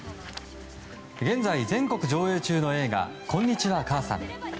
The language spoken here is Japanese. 現在、全国上映中の映画「こんにちは、母さん」。